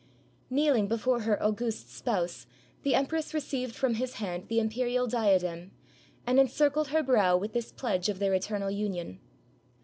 Kneeling 176 HOW PARDON WAS WON FOR AN EXILE before her august spouse, the empress received from his hand the imperial diadem, and encircled her brow with this pledge of their eternal union.